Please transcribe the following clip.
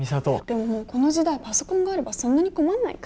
でももうこの時代パソコンがあればそんなに困んないか。